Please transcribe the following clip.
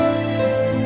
belum makin gembelin sih